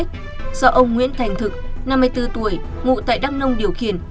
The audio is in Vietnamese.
do ông nguyễn thành thực năm mươi bốn tuổi ngụ tại đắk nông điều khiển